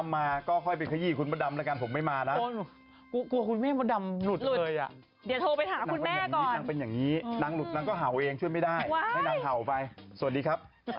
ให้นางเข่าไปสวัสดีครับสวัสดีค่ะ